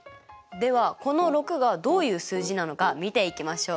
ではこの６がどういう数字なのか見ていきましょう。